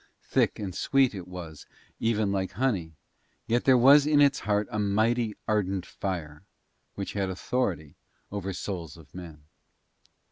Thick and sweet it was, even like honey, yet there was in its heart a mighty, ardent fire which had authority over souls of men.